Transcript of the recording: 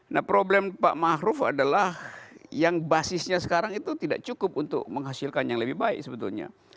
nah problem pak ⁇ maruf ⁇ adalah yang basisnya sekarang itu tidak cukup untuk menghasilkan yang lebih baik sebetulnya